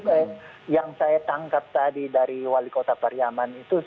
oke yang saya tangkap tadi dari wali kota pariaman itu